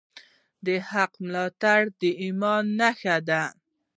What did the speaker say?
د حق ملاتړ د ایمان نښه ده.